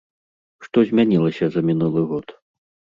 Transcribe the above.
Што змянілася за мінулы год?